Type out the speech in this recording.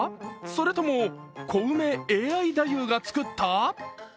それともコウメＡＩ太夫が作った？